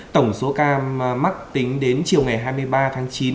tổng số ca mắc tính đến chiều ngày hai mươi ba tháng chín